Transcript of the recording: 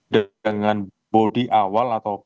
dengan bodi awal atau